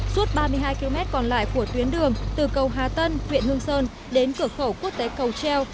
suốt ba mươi hai km còn lại của tuyến đường từ cầu hà tân huyện hương sơn đến cửa khẩu quốc tế cầu treo